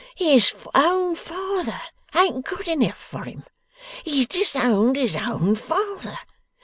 His own father ain't good enough for him. He's disowned his own father.